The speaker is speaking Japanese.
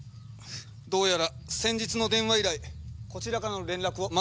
どうやら先日の電話以来こちらからの連絡を全く受け付けないようです。